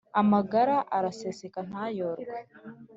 Amagara araseseka ntayorwe